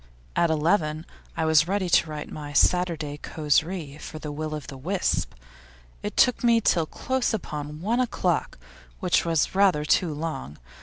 At eleven I was ready to write my Saturday causerie for the Will o' the Wisp; it took me till close upon one o'clock, which was rather too long.